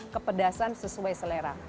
kepedasan sesuai selera